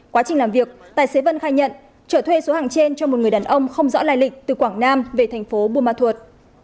quá trình làm việc tài xế vân khai nhận trở thuê số hàng trên cho một người đàn ông không rõ lai lịch từ quảng nam về thành phố buôn ma thuột